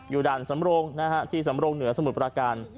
ด่านสำรงนะฮะที่สำรงเหนือสมุทรประการ